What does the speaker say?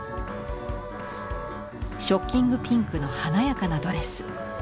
ショッキングピンクの華やかなドレス。